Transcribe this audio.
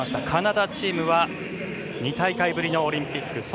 カナダチームは２大会ぶりのオリンピック。